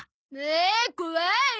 え怖い！